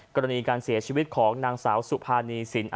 กรณีการเสียชีวิตของนางสาวสุภานีสินอันนันตระกูล